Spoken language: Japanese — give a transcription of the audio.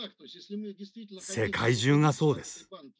世界中がそうです。